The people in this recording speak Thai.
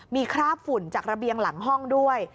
มีคราบฝุ่นจากระเบียงหลังห้องด้วย